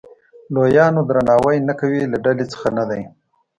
لویانو درناوی نه کوي له ډلې څخه نه دی.